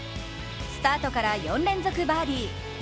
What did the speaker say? スタートから４連続バーディー。